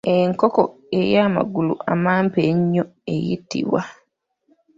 Enkoko ey’amagulu amampi ennyo eyitibwa.